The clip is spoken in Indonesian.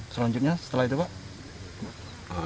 selanjutnya setelah itu violence